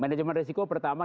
manajemen risiko pertama